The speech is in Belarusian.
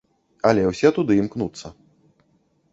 Але ўсе туды імкнуцца.